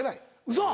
嘘！？